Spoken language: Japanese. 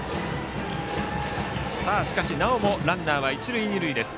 しかし、なおもランナーは一塁二塁です。